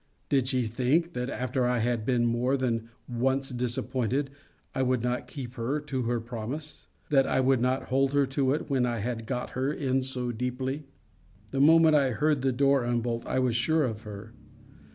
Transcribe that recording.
Did she think, that after I had been more than once disappointed, I would not keep her to her promise; that I would not hold her to it, when I had got her in so deeply? The moment I heard the door unbolt, I was sure of her.